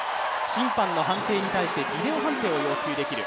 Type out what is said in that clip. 審判の判定に対してビデオ判定を要求できる。